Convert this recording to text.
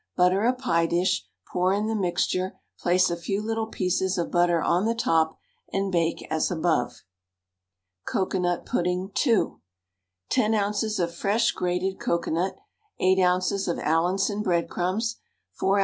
Butter a pie dish, pour in the mixture, place a few little pieces of butter on the top, and bake as above. COCOANUT PUDDING (2). 10 oz. of fresh grated cocoanut, 8 oz. of Allinson breadcrumbs, 4 oz.